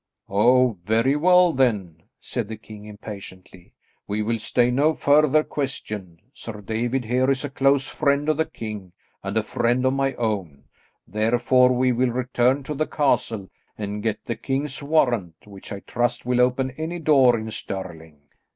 "Oh, very well then," said the king impatiently, "we will stay no further question. Sir David here is a close friend of the king, and a friend of my own, therefore we will return to the castle and get the king's warrant, which, I trust, will open any door in Stirling."